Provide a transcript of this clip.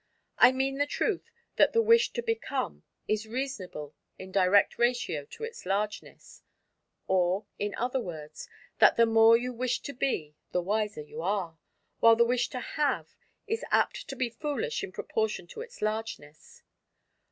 I mean the truth that the wish to become is reasonable in direct ratio to its largeness, or, in other words, that the more you wish to be, the wiser you are; while the wish to have is apt to be foolish in proportion to its largeness.